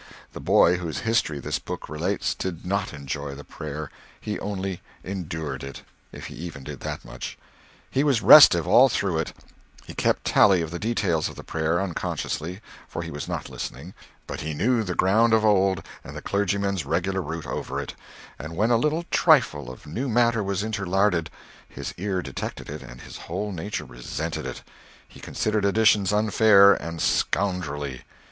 The boy whose history this book relates did not enjoy the prayer, he only endured it—if he even did that much. He was restive all through it; he kept tally of the details of the prayer, unconsciously—for he was not listening, but he knew the ground of old, and the clergyman's regular route over it—and when a little trifle of new matter was interlarded, his ear detected it and his whole nature resented it; he considered additions unfair, and scoundrelly.